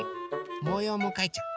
もようもかいちゃお。